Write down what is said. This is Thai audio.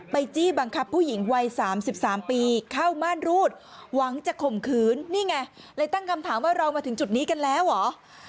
จี้บังคับผู้หญิงวัย๓๓ปีเข้าม่านรูดหวังจะข่มขืนนี่ไงเลยตั้งคำถามว่าเรามาถึงจุดนี้กันแล้วเหรอ